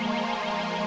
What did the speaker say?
tuhan aku ingin menang